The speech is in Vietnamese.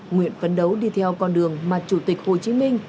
nguyện phấn đấu đi theo con đường mà chủ tịch hồ chí minh